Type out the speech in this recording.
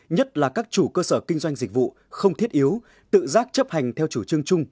nhất là các chủ cơ sở kinh doanh dịch vụ không thiết yếu tự giác chấp hành theo chủ trương chung